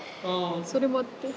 それもあって。